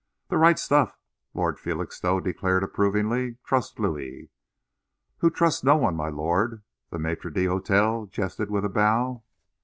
"The right stuff," Lord Felixstowe declared approvingly. "Trust Louis." "Who trusts no one, my lord," the maître d'hotel jested, with a bow.